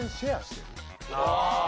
ああ